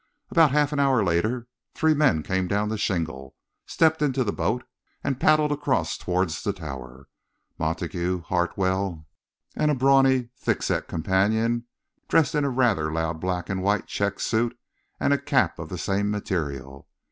About half an hour later three men came down the shingle, stepped into the boat and paddled across towards the tower, Montague, Hartwell, and a brawny, thickset companion dressed in a rather loud black and white check suit and a cap of the same material.